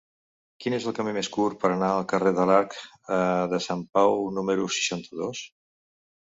Quin és el camí més curt per anar al carrer de l'Arc de Sant Pau número seixanta-dos?